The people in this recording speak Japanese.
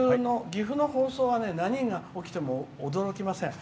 岐阜の放送はね何が起きても驚きません。